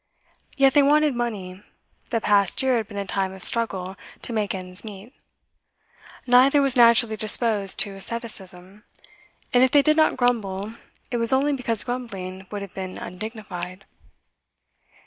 Yet they wanted money; the past year had been a time of struggle to make ends meet. Neither was naturally disposed to asceticism, and if they did not grumble it was only because grumbling would have been undignified.